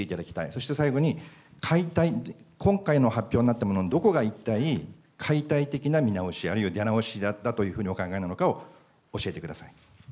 そして最後に解体、今回の発表になったもののどこが一体解体的な見直し、あるいは出直しだというふうにお考えなのかを教えてください。